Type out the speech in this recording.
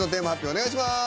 お願いします。